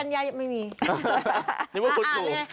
นี้เพราะคุณผู้